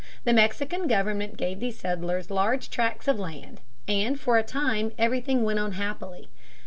The Mexican government gave these settlers large tracts of land, and for a time everything went on happily.